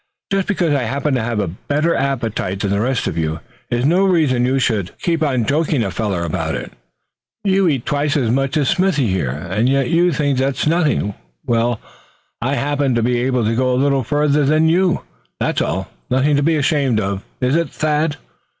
"Just because I happen to have a better appetite than the rest of you, is no reason you should keep on joking a feller about it. You eat twice as much as Smithy here, and yet you think that's nothing. Well, I happen to be able to go a little further than you, that's all. Nothing to be ashamed of, is it, Thad?"